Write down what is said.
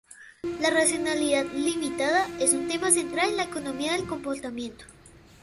La racionalidad limitada es un tema central en la economía del comportamiento.